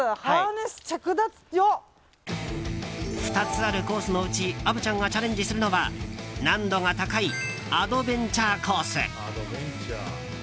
２つあるコースのうち虻ちゃんがチャレンジするのは難度が高いアドベンチャーコース。